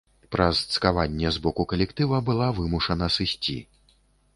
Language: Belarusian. Праз цкаванне з боку калектыва была вымушана сысці.